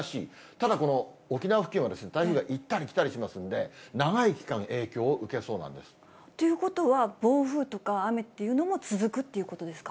ただこの沖縄付近は台風が行ったり来たりしますんで、長い期間影ということは、暴風とか雨っていうのが続くってことですか？